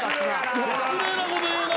失礼なこと言うな。